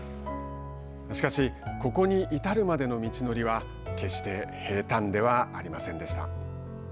しかしここに至るまでの道のりは決して平たんではありませんでした。